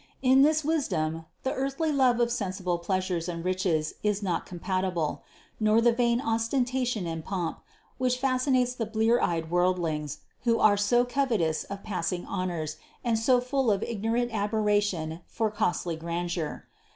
With this wisdom the earthly love of sensible pleasures and riches is not compatible ; nor the vain ostentation and pomp, which fascinates the blear eyed worldlings, who are so covetous of passing honors, and so full of ignorant admiration for costly grandeur.